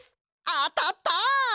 あたった！